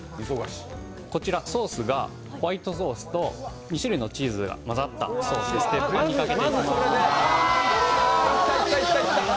こちらソースがホワイトソースと２種類のチーズが混ざったソースでして。